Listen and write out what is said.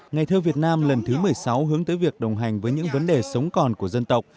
ngày thơ việt nam lần thứ một mươi sáu hướng tới việc đồng hành với những vấn đề sống còn của dân tộc